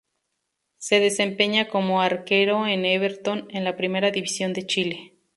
Se desempeña como arquero en Everton de la Primera División de Chile.